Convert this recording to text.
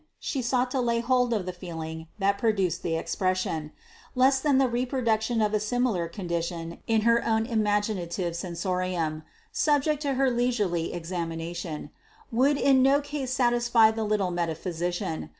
She sought to lay hold of the feeling that produced the expression: less than the reproduction of a similar condition in her own imaginative sensorium, subject to her leisurely examination, would in no case satisfy the little metaphysician.